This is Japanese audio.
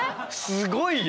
すごいよ。